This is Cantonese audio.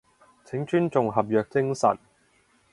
請尊重合約精神